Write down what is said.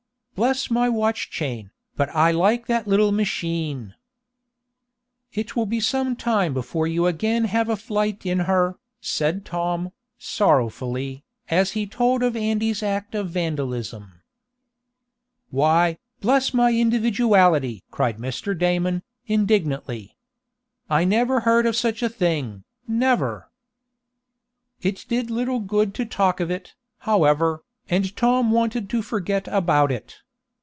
Bless my watch chain, but I like that little machine!" "It will be some time before you again have a flight in her," said Tom, sorrowfully, as he told of Andy's act of vandalism. "Why, bless my individuality!" cried Mr. Damon, indignantly. "I never heard of such a thing! Never!" It did little good to talk of it, however, and Tom wanted to forget about it.